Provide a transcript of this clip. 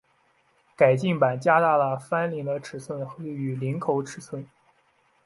改进版加大了翻领的尺寸与领口尺寸。